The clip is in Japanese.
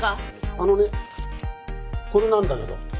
あのねこれなんだけど。